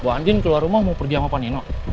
bu andin keluar rumah mau pergi sama pak nino